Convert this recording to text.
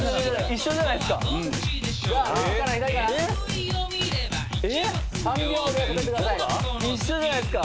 一緒じゃないっすか。